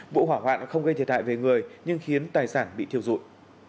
vụ hỏa hoạn không gây thiệt hại về người nhưng khiến tài sản bị thiêu dụi